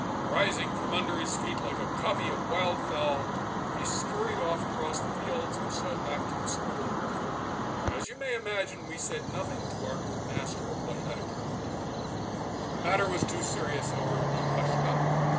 Rising from under his feet like a covey of wild fowl, we scurried off across the fields and so back to the school, where, as you may imagine, we said nothing to our good master of what had occurred. The matter was too serious, however, to be hushed up.